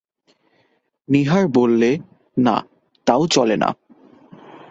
নীহার বললে, না, তাও চলে না।